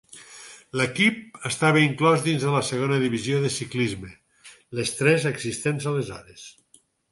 L'equip estava inclòs dins la Segona divisió de ciclisme, les tres existents aleshores.